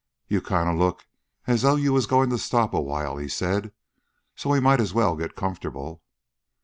"You kind of look as though you was goin' to stop a while," he said. "So we might as well get comfortable."